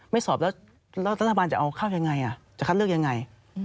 สอบแล้วรัฐบาลจะเอาเข้ายังไงจะคัดเลือกยังไง